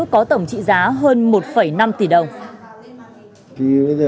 có tổng trị giá hơn một năm tỷ đồng